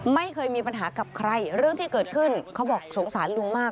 ไม่เคยมีปัญหากับใครเรื่องที่เกิดขึ้นเขาบอกสงสารลุงมาก